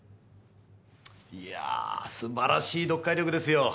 いや素晴らしい読解力ですよ。